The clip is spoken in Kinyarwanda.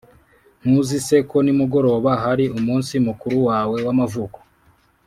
ntuzi se ko nimugoroba hari umunsi mukuru wawe wamavuko,